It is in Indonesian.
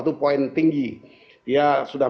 itu poin tinggi dia sudah